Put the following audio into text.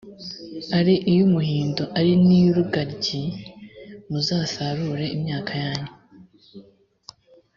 ari iy’umuhindo ari n’iy’urugaryi, muzasarure imyaka yanyu